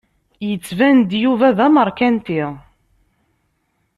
Yettban-d Yuba d amarkanti.